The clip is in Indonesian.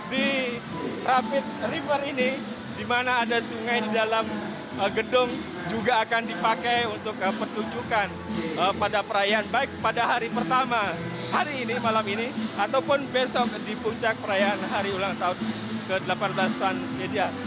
di rapid river ini di mana ada sungai di dalam gedung juga akan dipakai untuk pertunjukan pada perayaan baik pada hari pertama hari ini malam ini ataupun besok di puncak perayaan hari ulang tahun ke delapan belas an media